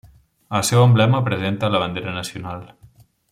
El seu emblema presenta la bandera nacional.